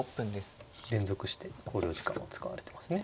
連続して考慮時間を使われてますね。